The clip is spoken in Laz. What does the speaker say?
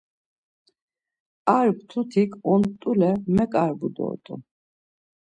Ar mtutik ont̆ule meǩarbu dort̆un.